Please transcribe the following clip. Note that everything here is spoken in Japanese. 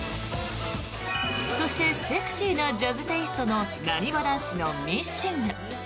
そしてセクシーなジャズテイストのなにわ男子の「Ｍｉｓｓｉｎｇ」。